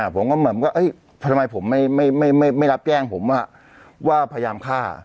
ผมก็เหมือนก็ทำไมผมไม่รับแจ้งผมว่าพยายามฆ่า